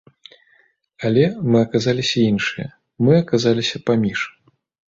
Але мы аказаліся іншыя, мы аказаліся паміж.